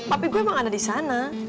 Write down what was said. papi gue emang ada di sana